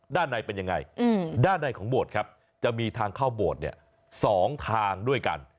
ด้านในเป็นยังไงด้านในของโบสถ์ครับจะมีทางเข้าโบสถ์เนี่ย๒ทางด้วยกัน